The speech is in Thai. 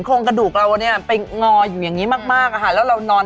จริงหรือเปล่าว่าคนท้องเนี่ย